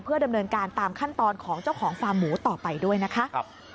ดำเนินการตามขั้นตอนของเจ้าของฟาร์มหมูต่อไปด้วยนะคะ